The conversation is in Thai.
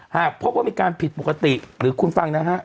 หากพบว่ามีการผิดปกติหรือคุณฟังนะฮะ